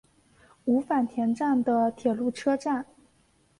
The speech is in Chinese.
五反田站的铁路车站。